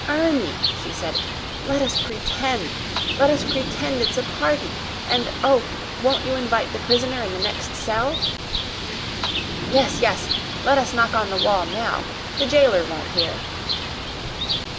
"Ermie!" she said. "Let us PRETEND! Let us pretend it's a party! And oh, won't you invite the prisoner in the next cell?" "Yes! Yes! Let us knock on the wall now. The jailer won't hear."